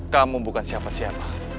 kamu bukan siapa siapa